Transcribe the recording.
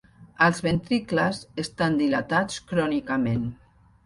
Els ventricles estan dilatats crònicament.